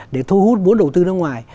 để thu hút bốn đầu tư nước ngoài